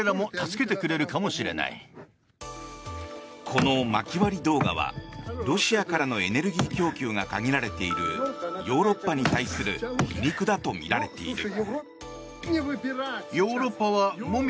このまき割り動画はロシアからのエネルギー供給が限られているヨーロッパに対する皮肉だとみられている。